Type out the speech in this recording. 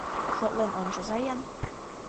Шотлен ончыза-ян!